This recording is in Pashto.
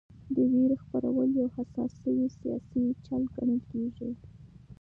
د وېرې خپرول یو حساب شوی سیاسي چل ګڼل کېږي.